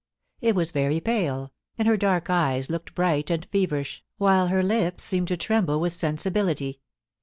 It was very pale, and her dark eyes looked bright and feverish, while her lips seemed to tremble with sensibility.